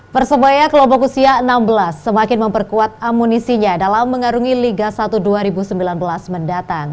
persebaya kelompok usia enam belas semakin memperkuat amunisinya dalam mengarungi liga satu dua ribu sembilan belas mendatang